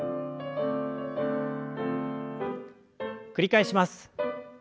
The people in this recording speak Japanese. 繰り返します。